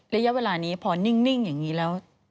ระยะเวลานี้พอนิ่งอย่างนี้แล้ว